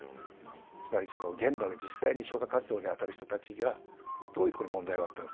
つまりその現場で実際に消火活動にあたる人たちにはどういうとこに問題があったのかと。